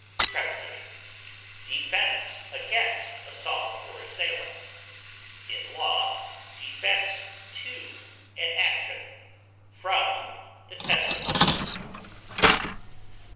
Prepositions: Defense against assault or assailants; in law, defense to an action, from the testimony.